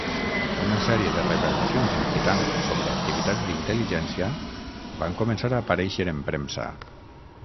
Una sèrie de revelacions inquietants sobre activitats d'intel·ligència van començar a aparèixer en premsa.